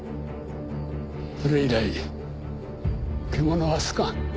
それ以来獣は好かん。